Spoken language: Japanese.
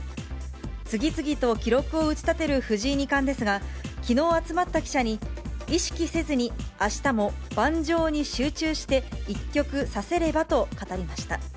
次々と記録を打ち立てる藤井二冠ですが、きのう集まった記者に、意識せずに、あしたも盤上に集中して、１局指せればと語りました。